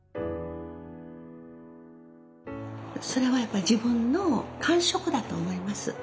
それはやっぱり自分の感触だと思います。